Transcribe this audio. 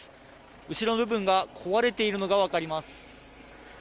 後ろ部分が壊れているのが分かります。